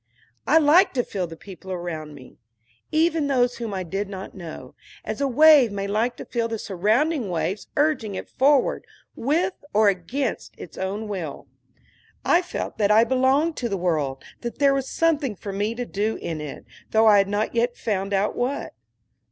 I liked to feel the people around me, even those whom I did not know, as a wave may like to feel the surrounding waves urging it forward, with or against its own will. I felt that I belonged to the world, that there was something for me to do in it, though I had not yet found out what.